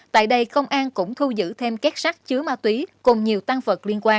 tại đây công an cũng thu giữ thêm các sắt chứa ma túy cùng nhiều tăng vật liên quan